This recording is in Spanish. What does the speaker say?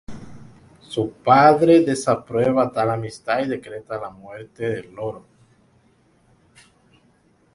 Su padre desaprueba tal amistad y decreta la muerte del loro.